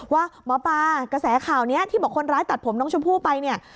ว่าหมอปลากระแสข่าวนี้ที่บอกคนร้ายตัดผมน้องชมพู่ไปเนี่ย